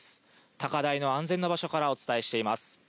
高台の安全な場所からお伝えしています。